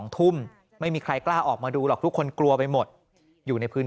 ทุ่มไม่มีใครกล้าออกมาดูหรอกทุกคนกลัวไปหมดอยู่ในพื้น